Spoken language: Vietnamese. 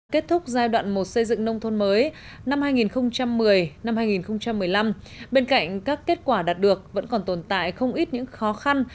kết thúc giai đoạn một xây dựng nông thôn mới năm hai nghìn một mươi hai nghìn một mươi năm bên cạnh các kết quả đạt được vẫn còn tồn tại không ít những khó khăn